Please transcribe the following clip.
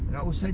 gak usah jadikan